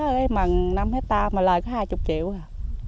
cái mà năm hectare mà lời có hai mươi triệu à